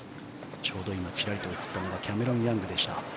ちょうどちらりと映ったのがキャメロン・ヤングでした。